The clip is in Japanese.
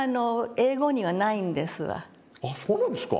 あそうなんですか。